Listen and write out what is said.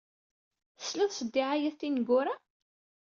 Teslid s ddiɛayat tineggura?